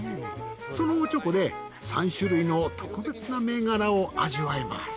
そのお猪口で３種類の特別な銘柄を味わえます。